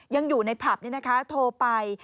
ยังอยู่ในผับเนี่ยนะคะโทรไป